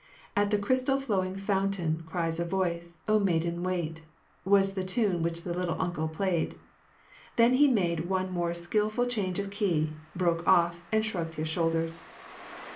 " At the crystal flowing fountain Cries a voice, * O maiden, wait! *'* was the tune which the "little uncle " played. Then he made one more skilful change of key, broke off, and shrugged his shoulders.